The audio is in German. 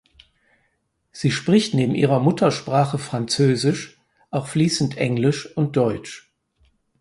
Sie spricht neben ihrer Muttersprache Französisch auch fließend Englisch und Deutsch.